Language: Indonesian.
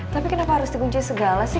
tapi kenapa harus di kuncinya segala sih